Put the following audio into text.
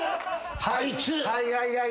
あいつ。